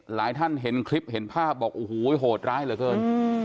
หลายท่านเห็นคลิปเห็นภาพบอกโอ้โหโหดร้ายเหลือเกิน